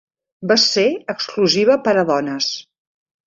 Va ser exclusiva per a dones.